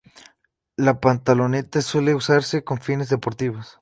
La pantaloneta suele usarse con fines deportivos.